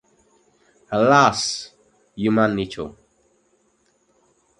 Alas for human nature!